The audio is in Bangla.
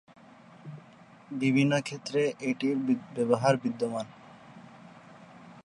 বিভিন্ন ক্ষেত্রে এটির ব্যবহার বিদ্যমান।